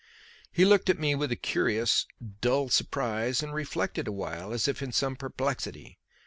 He looked at me with a curious, dull surprise, and reflected awhile as if in some perplexity.